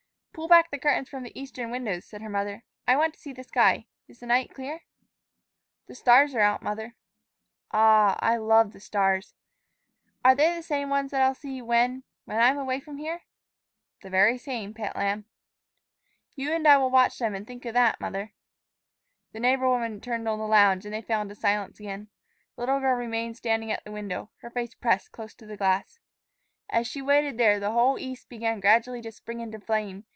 "Pull back the curtains from the eastern windows," said her mother; "I want to see the sky. Is the night clear?" "The stars are out, mother." "Ah, I love the stars!" "Are they the same ones that I'll see when when I'm away from here?" "The very same, pet lamb." "You and I will watch them and think of that, mother." The neighbor woman turned on the lounge, and they fell into silence again. The little girl remained standing at a window, her face pressed close to the glass. As she waited there, the whole east began gradually to spring into flame.